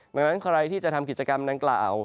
ดังนั้นใครที่จะทำกิจกรรมดังกล่าว